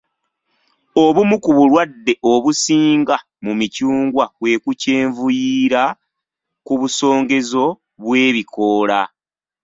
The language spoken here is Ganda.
Obumu ku bulwadde obusinga mu micungwa kwe kukyenvuyiira ku busongezo bw'ebikoola.